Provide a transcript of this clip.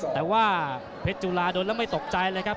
แต่ว่าเพชรจุลาโดนแล้วไม่ตกใจเลยครับ